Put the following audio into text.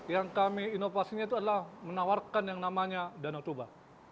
yang kami inovasinya itu adalah menawarkan yang namanya danau toba